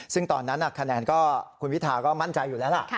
ซึ่งตอนนั้นคะแนนก็คุณพิธาก็มั่นใจอยู่แล้วล่ะ